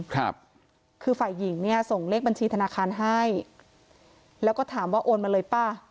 ครับคือฝ่ายหญิงเนี่ยส่งเลขบัญชีธนาคารให้แล้วก็ถามว่าโอนมาเลยป่ะ